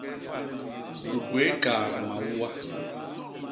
U gwéé kaat mauwa.